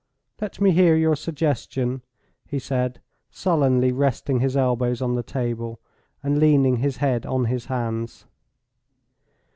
"Let me hear your suggestion," he said, sullenly resting his elbows on the table, and leaning his head on his hands.